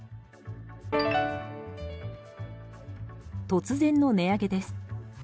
突然の値上げです。